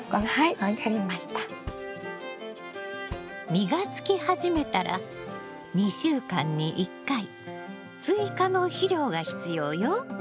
実がつき始めたら２週間に１回追加の肥料が必要よ。